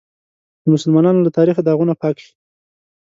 د مسلمانانو له تاریخه داغونه پاک شي.